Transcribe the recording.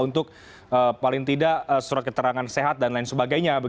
untuk paling tidak surat keterangan sehat dan lain sebagainya